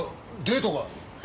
デートか？